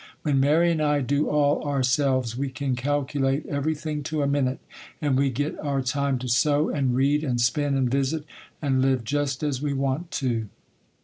When Mary and I do all ourselves, we can calculate everything to a minute; and we get our time to sew and read and spin and visit, and live just as we want to.